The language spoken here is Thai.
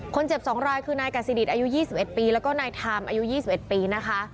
๒รายคือนายกัสซิดิตอายุ๒๑ปีแล้วก็นายไทม์อายุ๒๑ปีนะคะ